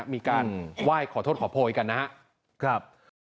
มีการไหว้ขอโทษขอโพยกันนะครับ